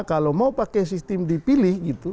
kalau mau pakai sistem dipilih gitu